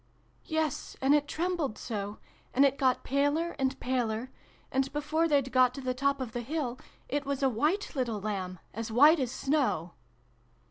" Yes, and it trembled so ; and it got paler and paler ; and, before they'd got to the top of the hill, it was a 'white little JLamb as white as snow